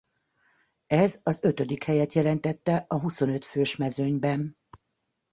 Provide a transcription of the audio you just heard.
Ez az ötödik helyet jelentette a huszonöt fős mezőnyben.